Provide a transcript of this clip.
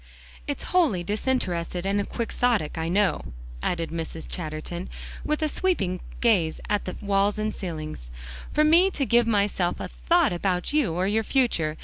It's wholly disinterested and quixotic, I know," added Mrs. Chatterton, with a sweeping gaze at the walls and ceilings, "for me to give myself a thought about you or your future.